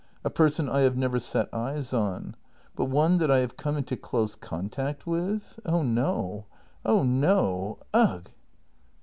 A person I have never set eyes on. But one that I have come into close contact with ! Oh no! Oh no! Ugh!